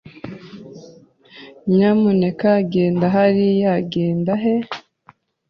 "Nyamuneka genda hariya." "Genda he?"